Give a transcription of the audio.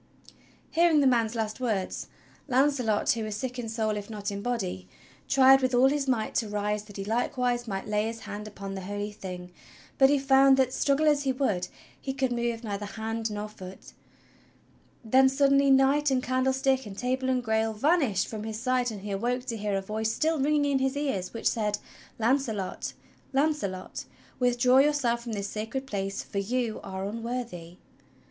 Hearing the man's last words, Launcelot, who was sick in soul if not in body, tried with all his might to rise that he likewise might lay his hand upon the Holy Thing; but he found that, struggle as he would, he could move neither hand nor foot. Then suddenly knight and candlestick and table and Grail vanished from his sight and he awoke to hear a voice still ringing in his ears which said: 120 THE STORY OF KING ARTHUR "Launcelot! Launcelot! Withdraw j^ourself from this sacred place, for you are unworthy